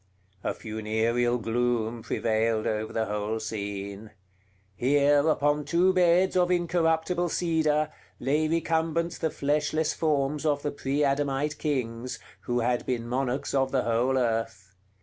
A funereal gloom prevailed over the whole scene. Here, upon two beds of incorruptible cedar, lay recumbent the fleshless forms of the pre Adamite kings, who had been monarchs of the whole earth.